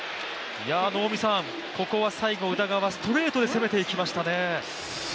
ここは最後宇田川、ストレートで攻めてきましたね。